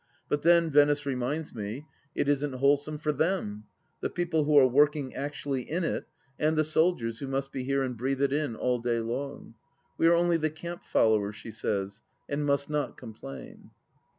But then, Venice reminds me, it isn't wholesome for them — ^the people who are working actually in it and the soldiers who must be here and breathe it in all day long. We are only the camp followers, she says, and must not complain.